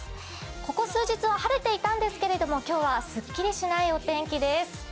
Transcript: ここ数日は晴れていたんですけれども今日はすっきりしないお天気です。